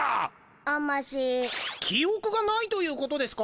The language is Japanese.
あんまし記憶がないということですか？